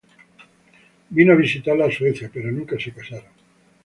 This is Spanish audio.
El vino a visitarla a Suecia, pero nunca se casaron.